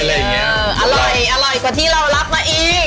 อร่อยกว่าที่เรารับมาอีก